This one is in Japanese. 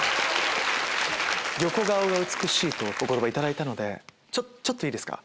「横顔が美しい」とお言葉頂いたのでちょっといいですか。